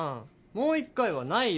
もう１回はないよ。